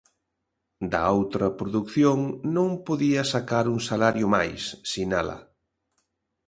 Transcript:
Da outra produción non podía sacar un salario máis, sinala.